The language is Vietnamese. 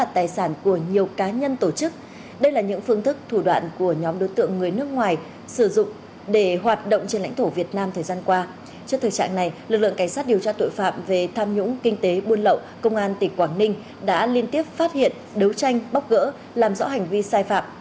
tỉnh buôn lậu công an tỉnh quảng ninh đã liên tiếp phát hiện đấu tranh bóc gỡ làm rõ hành vi sai phạm